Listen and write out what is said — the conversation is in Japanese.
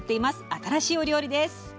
新しいお料理です。